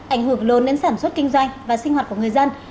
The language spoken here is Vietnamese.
ảnh hưởng lớn đến sản xuất kinh doanh và sinh hoạt của người dân